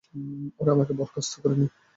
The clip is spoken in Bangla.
ওরা আমাকে বরখাস্ত করেনি।